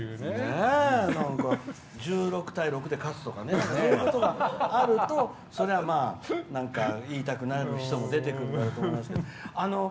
１６対６で勝つとかそういうことがあるとそりゃ、なんか言いたくなる人も出てくると思いますけど。